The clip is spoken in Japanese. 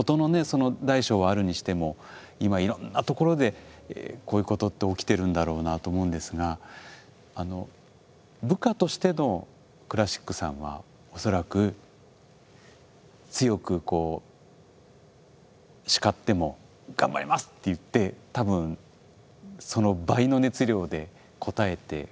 その大小はあるにしても今いろんな所でこういうことって起きてるんだろうなと思うんですが部下としてのクラシックさんは恐らく強くこう叱っても「頑張ります」って言って多分その倍の熱量で応えてこられたんだと思うんですよね。